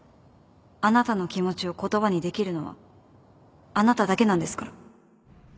あなたの気持ちを言葉にできるのはあなただけなんですから